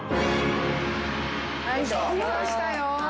はい来ましたよ。